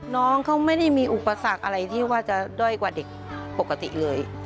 น้องเขาไม่ได้มีอุปสรรคอะไรที่ว่าจะด้อยกว่าเด็กปกติเลย